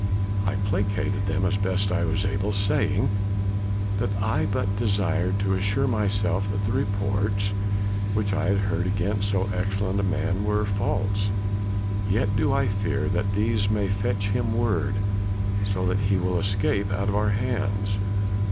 I placated them as best I was able, saying that I but desired to assure myself that the reports which I had heard against so excellent a man were false. Yet do I fear that these may fetch him word so that he will escape out of our hands."